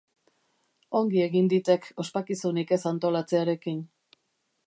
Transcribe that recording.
Ongi egin ditek ospakizunik ez antolatzearekin.